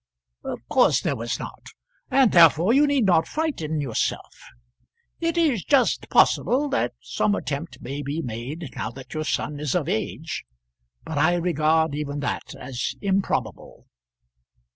"Of course there was not; and therefore you need not frighten yourself. It is just possible that some attempt may be made now that your son is of age, but I regard even that as improbable."